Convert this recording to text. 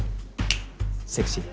セクシー。